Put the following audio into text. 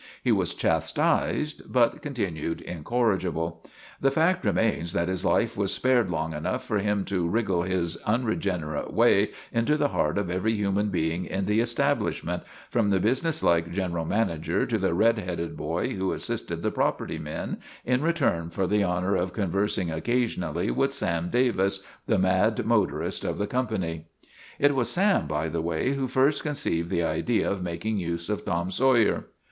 He was chastised, but continued incorrigible. The fact re mains that his life was spared long enough for him to wriggle his unregenerate way into the heart of every human being in the establishment, from the businesslike general manager to the red headed boy who assisted the property men in return for the honor of conversing occasionally with Sam Davis, the mad motorist of the company. It was Sam, by the way, who first conceived the idea of making use of Tom Sawyer.